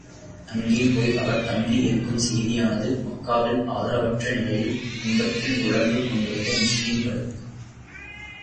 அங்கே போய் அவர் தங்கி இருக்கும் செய்தியானது, மக்காவில் ஆதரவற்ற நிலையில், துன்பத்தில் உழன்று கொண்டிருந்த முஸ்லிம்களுக்குத் தெரிந்தது.